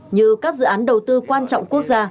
như các dự án đầu tư quan trọng quốc gia